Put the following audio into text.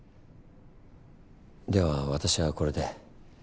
では私はこれで。